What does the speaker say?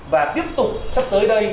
và tiếp tục sắp tới đây